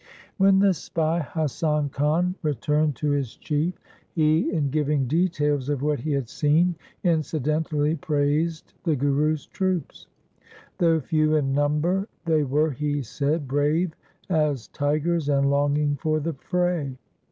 When the spy Hasan Khan returned to his chief, he, in giving details of what he had seen, incidentally praised the Guru's troops. Though few in number, they were, he said, brave as tigers and longing for the fray.